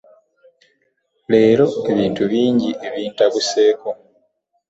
Leero ebintu bingi ebintabuseeko.